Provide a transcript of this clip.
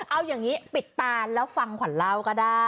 เอาอย่างนี้ปิดตาแล้วฟังขวัญเล่าก็ได้